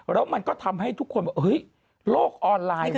แล้วมันก็ทำให้ทุกคนว่าโลกออนไลน์วันนี้